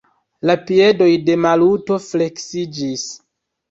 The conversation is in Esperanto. La piedoj de Maluto fleksiĝis.